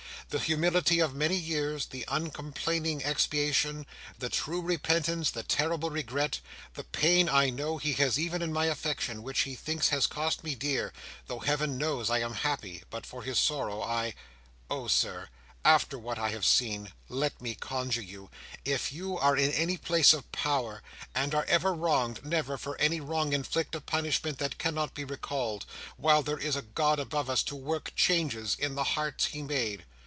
The humility of many years, the uncomplaining expiation, the true repentance, the terrible regret, the pain I know he has even in my affection, which he thinks has cost me dear, though Heaven knows I am happy, but for his sorrow I—oh, Sir, after what I have seen, let me conjure you, if you are in any place of power, and are ever wronged, never, for any wrong, inflict a punishment that cannot be recalled; while there is a GOD above us to work changes in the hearts He made."